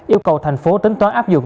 yêu cầu thành phố tính toán áp dụng